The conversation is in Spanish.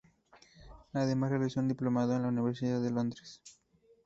Además realizó un diplomado en la Universidad de Los Andes.